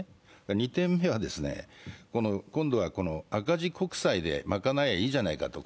２点目は今度は赤字国債で賄えばいいではないかと。